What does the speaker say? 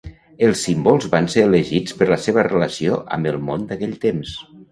Els símbols van ser elegits per la seva relació amb el món d’aquell temps.